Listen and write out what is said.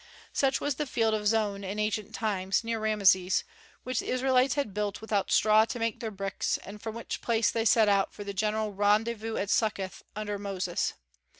Such was the field of Zoan in ancient times, near Rameses, which the Israelites had built without straw to make their bricks, and from which place they set out for the general rendezvous at Succoth, under Moses.